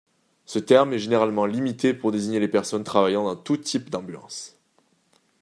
Ce terme est généralement limité pour désigner les personnes travaillant dans tous types d'ambulances.